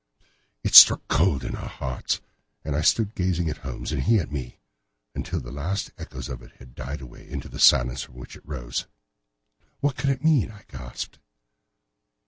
It struck cold to our hearts, and I stood gazing at Holmes, and he at me, until the last echoes of it had died away into the silence from which it rose. "What can it mean?" I gasped.